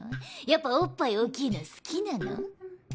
やっぱおっぱい大きいの好きなの？